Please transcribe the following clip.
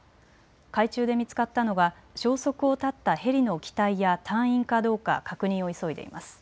海中で見つかったのは消息を絶ったヘリの機体や隊員かどうか確認を急いでいます。